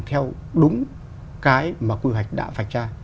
theo đúng cái mà quy hoạch đã phạch ra